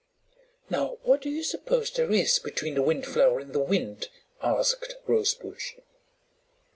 "Now, what do you suppose there is between the Windflower and the Wind?" asked Rosebush.